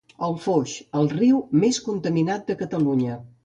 El Foix, el riu més contaminat de Catalunya.